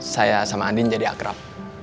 saya sama andin jadi akrab